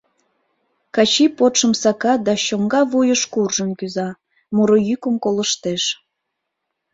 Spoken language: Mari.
Качи подшым сака да чоҥга вуйыш куржын кӱза, муро йӱкым колыштеш.